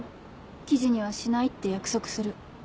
記事にはしないって約束する。